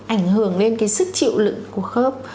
ảnh hưởng lên cái sức chịu lực của khớp